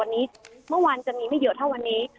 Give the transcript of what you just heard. วันนี้เมื่อวานจะมีไม่เยอะเท่าวันนี้